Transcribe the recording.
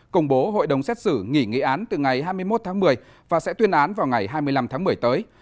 công bố hội đồng xét xử nghỉ nghị án từ ngày hai mươi một tháng một mươi và sẽ tuyên án vào ngày hai mươi năm tháng một mươi tới